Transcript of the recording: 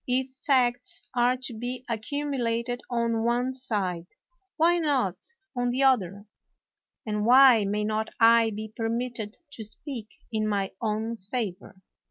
If facts are to be accumulated on one side, why not on the other? And why 160 WALPOLE may not I be permitted to speak in my own favor